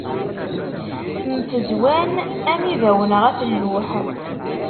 Mfezwan am yibawen ɣef lluḥ.